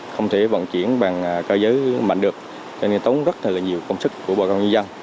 không thể vận chuyển bằng cơ giới mạnh được cho nên tốn rất là nhiều công sức của bà con nhân dân